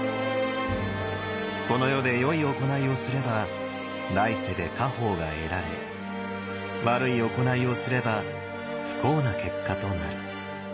この世で良い行いをすれば来世で果報が得られ悪い行いをすれば不幸な結果となる。